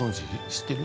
知ってる？